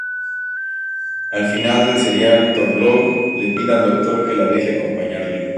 Al final del serial, Turlough le pide al Doctor que le deje acompañarle.